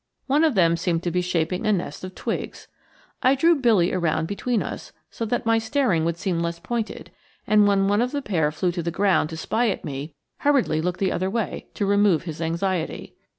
One of them seemed to be shaping a nest of twigs. I drew Billy around between us, so that my staring would seem less pointed, and when one of the pair flew to the ground to spy at me, hurriedly looked the other way to remove his anxiety.